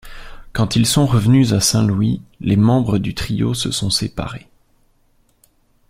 Quand ils sont revenus à St Louis les membres du trio se sont séparés.